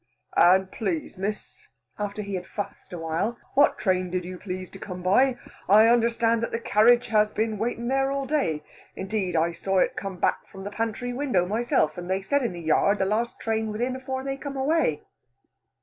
"And please, Miss" after he had fussed awhile "what train did you please to come by? I understand that the carriage has been waiting there all day; indeed, I saw it come back from the pantry window myself, and they said in the yard the last train was in afore they come away."